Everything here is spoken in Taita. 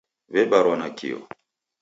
W'ebarwa nakio.